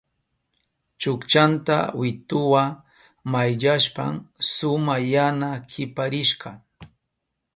Chukchanta wituwa mayllashpan suma yana kiparishka.